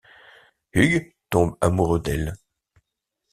Hugh tombe amoureux d'elle.